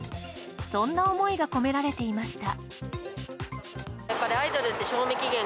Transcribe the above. そんな思いが込められていました。